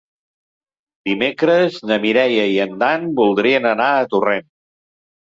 Dimecres na Mireia i en Dan voldrien anar a Torrent.